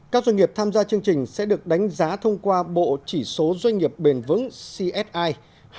các doanh nghiệp tham gia chương trình sẽ được đánh giá thông qua bộ chỉ số doanh nghiệp bền vững csi hai nghìn hai mươi